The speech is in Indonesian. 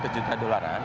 enam ratus juta dolaran